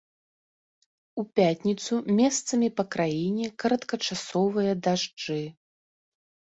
У пятніцу месцамі па краіне кароткачасовыя дажджы.